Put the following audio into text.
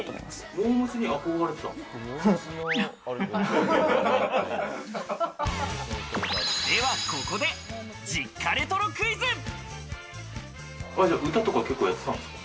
モー娘。に憧れてたんですか？